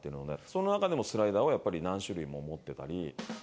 そのあたりのスライダーをやっぱり何種類も持ってたり。